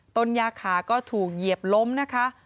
ต้นยาขาก็ถูกเหยียบล้มนะคะ